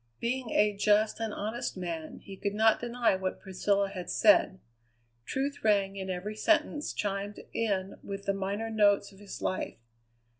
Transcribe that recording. Being a just and honest man, he could not deny what Priscilla had said; truth rang in every sentence, chimed in with the minor notes of his life.